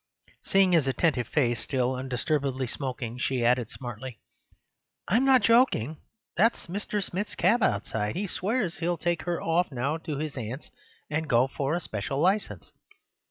Seeing his attentive face still undisturbedly smoking, she added smartly, "I'm not joking; that's Mr. Smith's cab outside. He swears he'll take her off now to his aunt's, and go for a special licence.